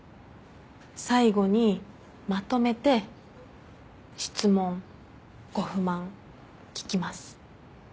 最後にまとめて質問ご不満聞きます。